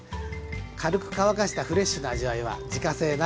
軽く乾かしたフレッシュな味わいは自家製ならでは。